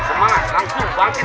sama cewek lagi